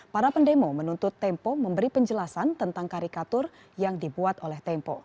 para pendemo menuntut tempo memberi penjelasan tentang karikatur yang dibuat oleh tempo